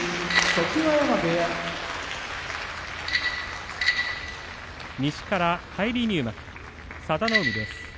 常盤山部屋西から返り入幕佐田の海です。